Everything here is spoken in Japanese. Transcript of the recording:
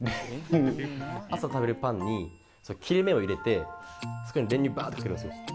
朝食べるパンに切り目を入れて、そこに練乳ばーっとかけるんですよ。